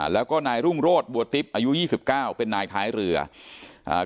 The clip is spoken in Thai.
แล้วก็นายรุ่งโรธบัวติ๊บอายุยี่สิบเก้าเป็นนายท้ายเรืออ่า